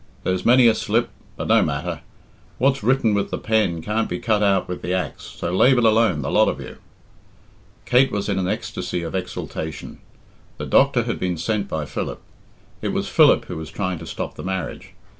There's many a slip but no matter. What's written with the pen can't be cut out with the axe, so lave it alone, the lot of you." Kate was in an ecstasy of exultation. The doctor had been sent by Philip. It was Philip who was trying to stop the marriage.